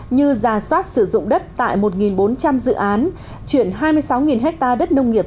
như giả soát sử dụng đất tại một bốn trăm linh dự án chuyển hai mươi sáu ha đất nông nghiệp